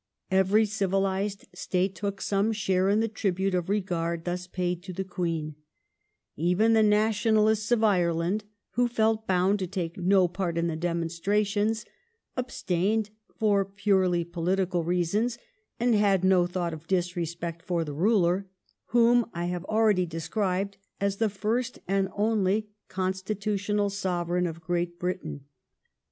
Every civilized state took some share in the tribute of regard thus paid to Queen Victoria. Even the Nationalists of Ireland, who felt bound to take no part in the dem onstrations, abstained for purely political reasons and had no thought of disrespect for the ruler, whom I have already described as the first and only Constitutional Sovereign of Great Britain.